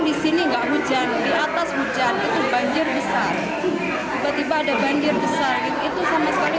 di sini enggak hujan di atas hujan itu banjir besar tiba tiba ada banjir besar itu sama sekali